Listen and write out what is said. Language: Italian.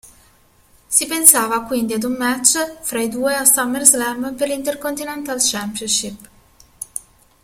Si pensava quindi ad un match fra i due a SummerSlam per l'Intercontinental Championship.